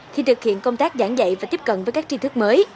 khi thực hiện công tác giảng dạy và tiếp cận với các chi thức mới